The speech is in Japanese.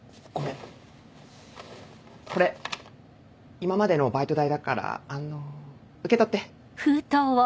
今までのバイト代だからあの受け取って。